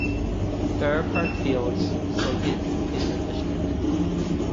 Farrer Park Fields is located in the district.